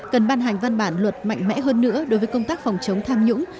cần ban hành văn bản luật mạnh mẽ hơn nữa đối với công tác phòng chống tham nhũng